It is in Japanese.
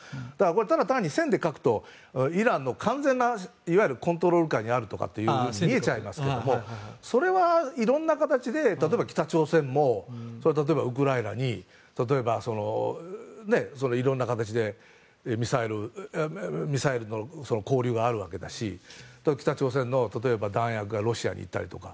ただ単に線で描くとイランの完全なコントロール下にあるとかって見えちゃいますけどそれはいろいろな形で例えば北朝鮮もウクライナにいろんな形でミサイルの交流があるわけだし北朝鮮の弾薬がロシアに行ったりだとか。